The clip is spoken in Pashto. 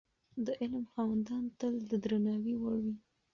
د علم خاوندان تل د درناوي وړ وي.